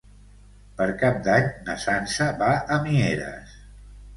Per Cap d'Any na Sança va a Mieres.